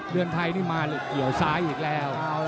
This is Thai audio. เรือนไทยนี่มาเกี่ยวซ้ายอีกแล้ว